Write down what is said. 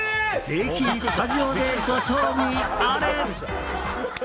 ぜひ、スタジオでご賞味あれ！